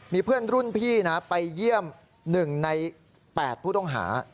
มีเพื่อนรุ่นพี่นะไปเยี่ยม๑ใน๘ผู้ต้องหา